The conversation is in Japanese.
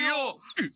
えっ？